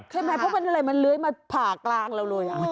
ใช่ไหมเพราะมันอะไรมันเลื้อยมาผ่ากลางเราเลย